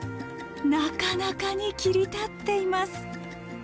なかなかに切り立っています。